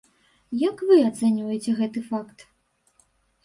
Як вы ацэньваеце гэты факт?